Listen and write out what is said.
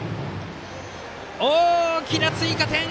大きな追加点！